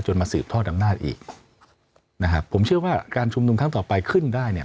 มาสืบทอดอำนาจอีกนะครับผมเชื่อว่าการชุมนุมครั้งต่อไปขึ้นได้เนี่ย